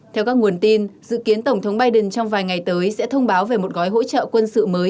theo các nguồn tin dự kiến tổng thống biden trong vài ngày tới sẽ thông báo về một gói hỗ trợ quân sự mới